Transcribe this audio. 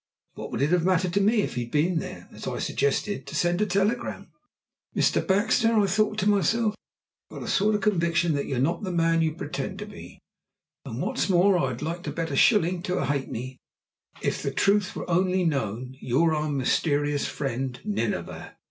What would it have mattered to me if he had been there, as I suggested, to send a telegram? "Mr. Baxter," I thought to myself, "I've got a sort of conviction that you're not the man you pretend to be, and what's more I'd like to bet a shilling to a halfpenny that, if the truth were only known, you're our mysterious friend Nineveh."